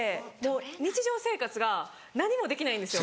日常生活が何もできないんですよ。